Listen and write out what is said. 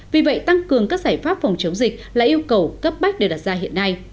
vì vậy tăng cường các giải pháp phòng chống dịch là yêu cầu cấp bách đều đặt ra hiện nay